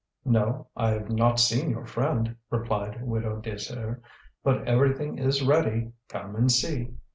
"No, I've not seen your friend," replied Widow Désir. "But everything is ready. Come and see."